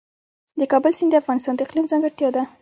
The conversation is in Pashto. د کابل سیند د افغانستان د اقلیم ځانګړتیا ده.